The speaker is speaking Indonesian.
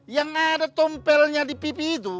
yang ada tompelnya di pipi itu